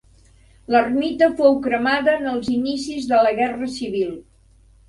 L'Ermita fou cremada en els inicis de la Guerra Civil.